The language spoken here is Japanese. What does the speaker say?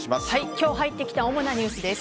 今日入ってきた主なニュースです。